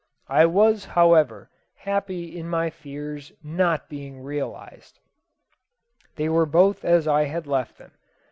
I was, however, happy in my fears not being realized. They were both as I had left them.